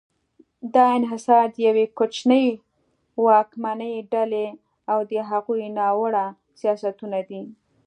دا انحصار د یوې کوچنۍ واکمنې ډلې او د هغوی ناوړه سیاستونه دي.